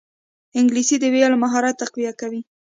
انګلیسي د ویلو مهارت تقویه کوي